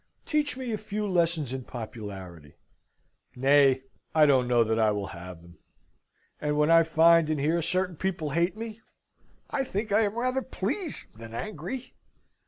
Teach me a few lessons in popularity, nay, I don't know that I will have them; and when I find and hear certain people hate me, I think I am rather pleased than angry.